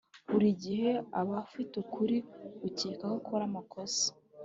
buri gihe aba afite ukuri ukeka ko akora amakosa